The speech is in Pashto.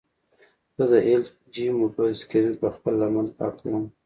زه د ایل جي موبایل سکرین په خپله لمن پاکوم.